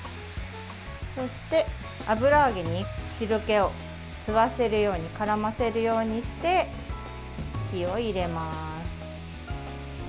そして、油揚げに汁けを吸わせるようにからませるようにして火を入れます。